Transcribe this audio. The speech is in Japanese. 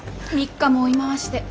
３日も追い回して。